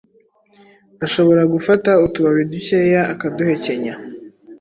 ashobora gufata utubabi dukeya akaduhekenya,